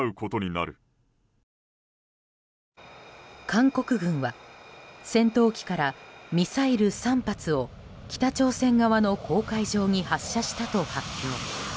韓国軍は戦闘機からミサイル３発を北朝鮮側の公海上に発射したと発表。